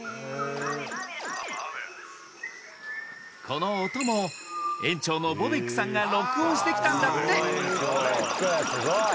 この音も園長のボベックさんが録音してきたんだってスゴい！